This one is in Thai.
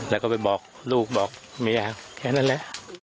แล้วก็ไปบอกลูกบอกเมียแค่นั้นแหละ